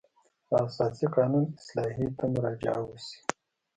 د اساسي قانون اصلاحیې ته مراجعه وشي.